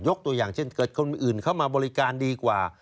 ตัวอย่างเช่นเกิดคนอื่นเข้ามาบริการดีกว่า